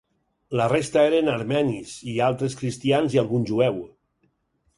La resta eren armenis, i altres cristians i algun jueu.